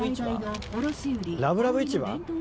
ラブラブ市場？